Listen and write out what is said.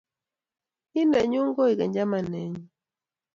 Ii ne nyu koigeny chamanenyu